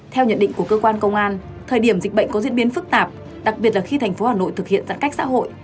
theo nhận định của cơ quan công an thời điểm dịch bệnh có diễn biến phức tạp đặc biệt là khi thành phố hà nội thực hiện giãn cách xã hội